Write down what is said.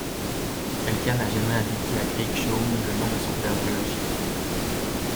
Elka n'a jamais indiqué à Kreayshawn le nom de son père biologique.